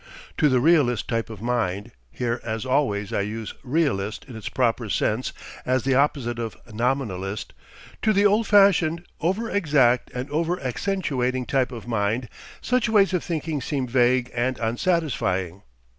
To the realist type of mind here as always I use "realist" in its proper sense as the opposite of nominalist to the old fashioned, over exact and over accentuating type of mind, such ways of thinking seem vague and unsatisfying.